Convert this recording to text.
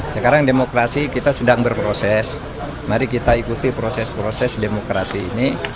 sekarang demokrasi kita sedang berproses mari kita ikuti proses proses demokrasi ini